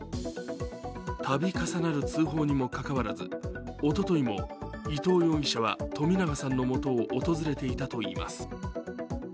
たび重なる通報にもかかわらずおとといも伊藤容疑者は冨永さんのもとを訪れていたといいます。